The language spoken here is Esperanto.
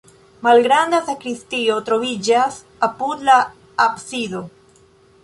Malgranda sakristio troviĝas apud la absido.